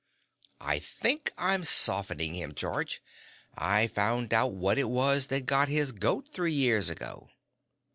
"I think I'm softening him, George. I found out what it was that got his goat three years ago."